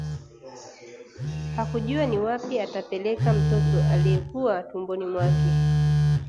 Hakujua ni wapi atapeleka mtoto aliyekuwa tumboni mwake